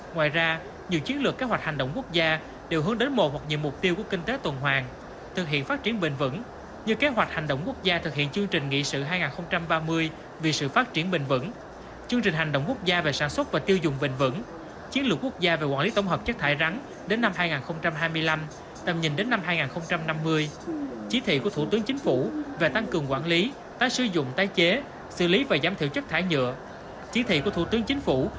ngoài ra nhiều chiến lược kế hoạch hành động quốc gia đều hướng đến một hoặc nhiều mục tiêu của kinh tế tuần hoàng thực hiện phát triển bình vẩn như kế hoạch hành động quốc gia thực hiện chương trình nghị sự hai nghìn ba mươi vì sự phát triển bình vẩn chương trình hành động quốc gia về sản xuất và tiêu dùng bình vẩn chiến lược quốc gia về quản lý tổng hợp chất thải rắn đến năm hai nghìn hai mươi năm tầm nhìn đến năm hai nghìn năm mươi chí thị của thủ tướng chính phủ về tăng cường quản lý tái sử dụng tái chế xử lý và giảm thiểu chất thải nhựa chí thị của thủ tướng chính